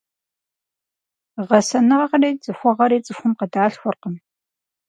Гъэсэныгъэри цӏыхугъэри цӏыхум къыдалъхуркъым.